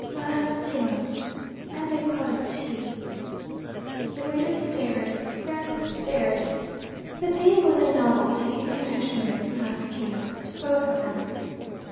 'Maraschino. And a pot of tea.' The waiter stared; Francis stared. The tea was a novelty (in connection with maraschino) to both of them.